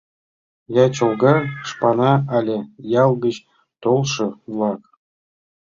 Я чолга шпана але ял гыч толшо-влак.